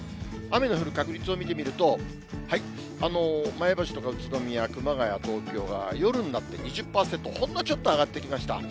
雨の降る確率を見てみると、前橋とか宇都宮、熊谷、東京が夜になって、２０％、ほんのちょっと上がってきました。